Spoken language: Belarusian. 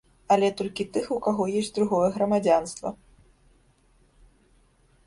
Але толькі тых, у каго ёсць другое грамадзянства.